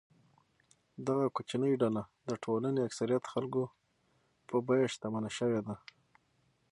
دغه کوچنۍ ډله د ټولنې اکثریت خلکو په بیه شتمنه شوې ده.